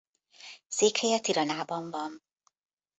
Székhelye Tiranában van.